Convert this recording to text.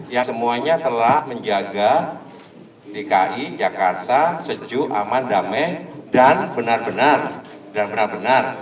yang semuanya telah menjaga dki jakarta sejuk aman damai dan benar benar